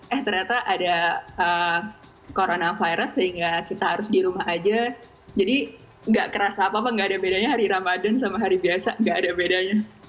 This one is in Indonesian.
eh ternyata ada coronavirus sehingga kita harus di rumah aja jadi nggak kerasa apa apa nggak ada bedanya hari ramadan sama hari biasa nggak ada bedanya